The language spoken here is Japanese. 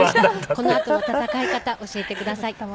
このあとの戦い方教えてください。